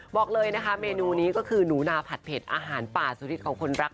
บอกเลยนะคะเมนูนี้ก็คือหนูนาผัดเผ็ดอาหารป่าสุริตของคนรัก